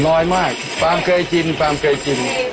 น้อยมากความเคยชินความเคยกิน